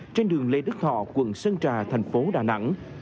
trên đường lê đức thọ quận sơn trà thành phố đà nẵng